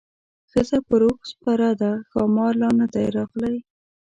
ښځه پر اوښ سپره ده ښامار لا نه دی راغلی.